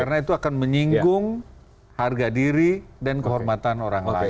karena itu akan menyinggung harga diri dan kehormatan orang lain